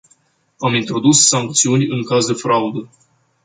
Am introdus sancțiuni, în caz de fraudă.